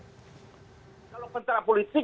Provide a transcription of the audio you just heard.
kalau pencara politik